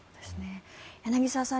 柳澤さん